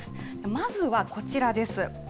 まずはこちらです。